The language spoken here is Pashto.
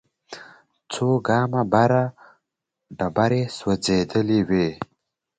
څو ګامه بره ډبرې سوځېدلې وې.